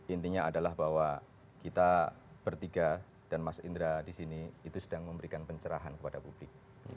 intinya adalah bahwa kita bertiga dan mas indra di sini itu sedang memberikan pencerahan kepada publik